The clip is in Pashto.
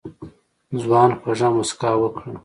ځوان خوږه موسکا وکړه.